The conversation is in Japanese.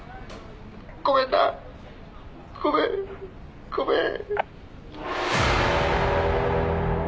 「ごめんなごめんごめん」